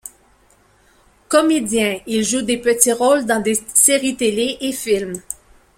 Comédien, il joue des petits rôles dans des séries télés et films.